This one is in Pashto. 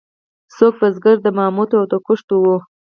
څوک بزګر د مامتو او د کښتو وو.